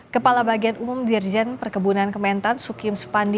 kepala bagian umum dirjen perkebunan kementan sukim supandi